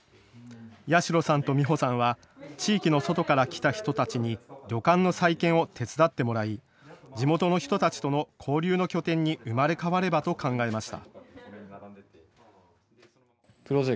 八代さんと美歩さんは地域の外から来た人たちに旅館の再建を手伝ってもらい地元の人たちとの交流の拠点に生まれ変わればと考えました。